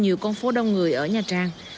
nhiều con phố đông người ở nha trang